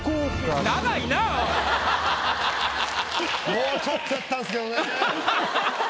もうちょっとやったんですけどね。